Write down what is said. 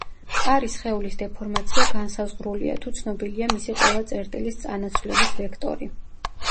მყარი სხეულის დეფორმაცია განსაზღვრულია, თუ ცნობილია მისი ყველა წერტილის წანაცვლების ვექტორი.